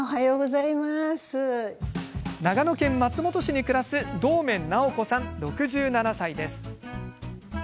長野県松本市に暮らす堂面直子さん、６７歳です。